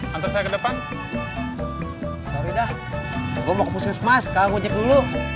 minta tolong beli kardus kue kecil kecil